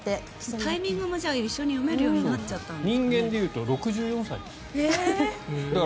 タイミングも読め合うようになっちゃったんですかね。